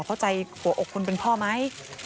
เข้าใจหัวอกคนเป็นพ่อไหม